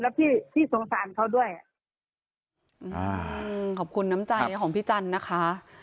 แล้วพี่พี่สงสารเขาด้วยอ่ะอืมขอบคุณน้ำใจของพี่จันทร์นะคะ